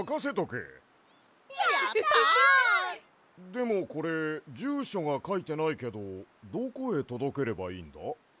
でもこれじゅうしょがかいてないけどどこへとどければいいんだ？